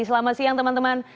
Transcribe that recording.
selamat siang teman teman